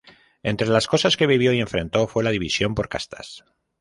Entre las cosas que vivió y enfrentó fue la división por castas.